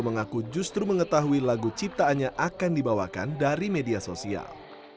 mengaku justru mengetahui lagu ciptaannya akan dibawakan dari media sosial